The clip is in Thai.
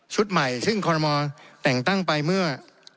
ชุดใหม่ซึ่งคอนโรมองค์แต่งตั้งไปเมื่อ